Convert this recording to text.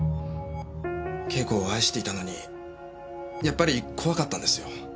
慶子を愛していたのにやっぱり怖かったんですよ。